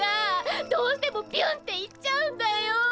どうしてもビュンって行っちゃうんだよ。